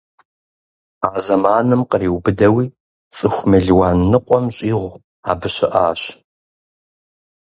А зэманым къриубыдэуи цӀыху мелуан ныкъуэм щӀигъу абы щыӀащ.